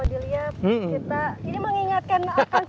ini mengingatkan sesuatu kan